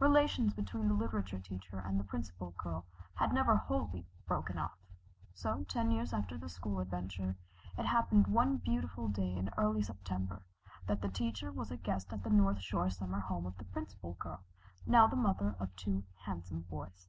Relations between the literature teacher and the Principal Girl had never wholly broken off, so ten years after the school adventure it happened one beautiful day in early September that the teacher was a guest at the North Shore summer home of the Principal Girl, now the mother of two handsome boys.